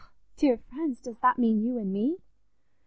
_... Ah, dear friends, does that mean you and me?"